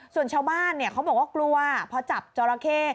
ส่วนชาวบ้านเขาบอกว่ากลัวพอจับจอราเข้